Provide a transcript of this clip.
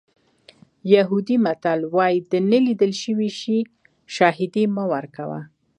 یهودي متل وایي د نه لیدل شوي شي شاهدي مه ورکوه.